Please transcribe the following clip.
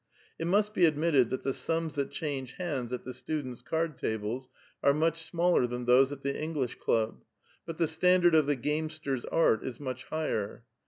It must be admitted that the sums that change hands at the students' card tables are much smaller than . those at the English Club ; but the standard of the gamester's art is much higher.